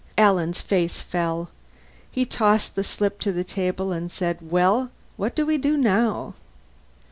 Alan's face fell. He tossed the slip to the table and said, "Well? What do we do now?"